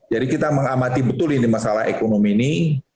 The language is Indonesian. jadi kita mengamati betul ini masalah ekonomi ini